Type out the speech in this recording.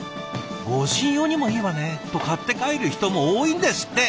「護身用にもいいわね」と買って帰る人も多いんですって！